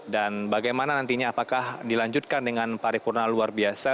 dan bagaimana nantinya apakah dilanjutkan dengan paripurna luar biasa